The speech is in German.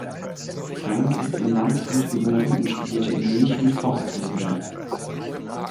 Frank ist in Landshut geboren und studierte in München Forstwissenschaft.